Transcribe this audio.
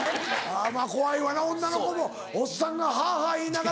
怖いわな女の子もおっさんがはぁはぁ言いながら。